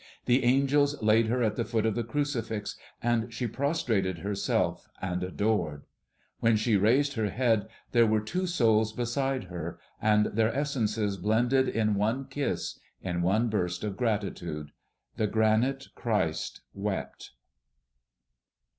The angels laid her at the foot of the crucifix, and she prostrated herself and adored. When she raised her head there were two souls beside her, and their essences blended in one kiss, in one burst of gratitude. The granite Christ wept.